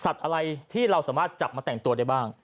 สัตว์อะไรซึ่งที่เราสามารถจับมาแต่งตัวดีตัวได้บ้าง